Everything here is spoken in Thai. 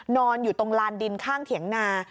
นอนอยู่ตรงลานดินข้างเถียงนา